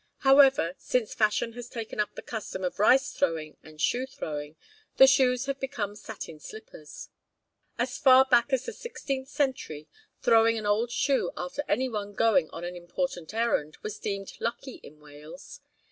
However, since fashion has taken up the custom of rice throwing and shoe throwing, the shoes have become satin slippers. As far back as the 16th century, throwing an old shoe after any one going on an important errand was deemed lucky in Wales.